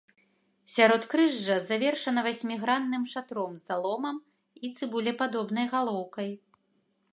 Сяродкрыжжа завершана васьмігранным шатром з заломам і цыбулепадобнай галоўкай.